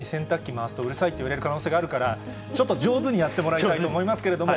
深夜に洗濯機回すとうるさいって言われる可能性があるから、ちょっと上手にやってもらいたいと思いますけれども。